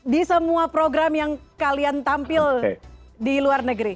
di semua program yang kalian tampil di luar negeri